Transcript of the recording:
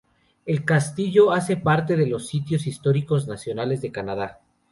El castillo hace parte de los sitios históricos nacionales de Canadá.